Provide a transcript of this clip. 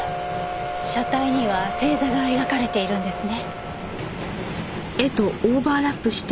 車体には星座が描かれているんですね。